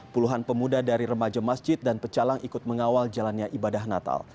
puluhan pemuda dari remaja masjid dan pecalang ikut mengawal jalannya ibadah natal